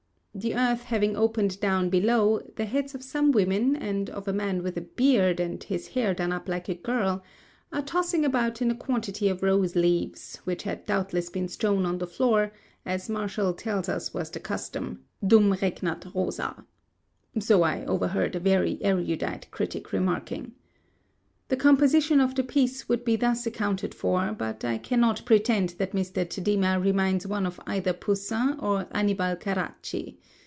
The earth having opened down below, the heads of some women, and of a man with a beard and his hair done up like a girl, are tossing about in a quantity of rose leaves, which had doubtless been strown on the floor, as Martial tells us was the custom, dum regnat rosa. So I overheard a very erudite critic remarking. The composition of the piece would be thus accounted for; but I cannot pretend that Mr. Tadema reminds one of either Poussin or Annibale Carracci.